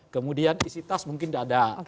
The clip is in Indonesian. kemudian isi tas mungkin tidak ada